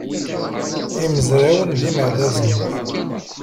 Imezrawen d imeɛdazen.